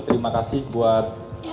terima kasih buat